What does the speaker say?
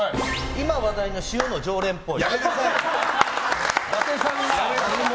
今話題のＳｉｏの常連っぽい。